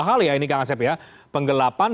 hal ya ini kang asep ya penggelapan